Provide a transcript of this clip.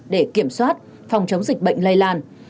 để kiểm soát phòng chống dịch bệnh lây lan